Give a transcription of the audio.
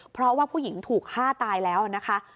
เพราะว่าผู้หญิงถูกฆ่าตายแล้วนะคะ